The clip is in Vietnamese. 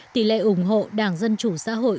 tỷ lệ ủng hộ đảng dân chủ xã hội